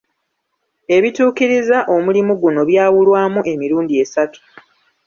Ebituukiriza omulimu guno byawulwamu emirundu esatu.